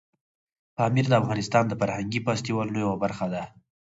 پامیر د افغانستان د فرهنګي فستیوالونو یوه برخه ده.